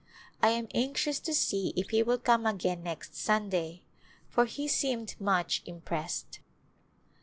I am anxious to see if he will come again next Sunday, for he seemed much im pressed.